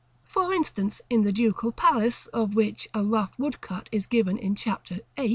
For instance, in the Ducal Palace, of which a rough woodcut is given in Chap. VIII.